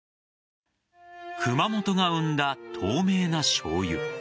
熊本が生んだ透明なしょうゆ。